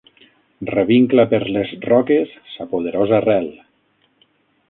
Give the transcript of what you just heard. Revincla per les roques sa poderosa rel.